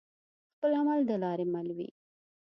خپل عمل دلاري مل وي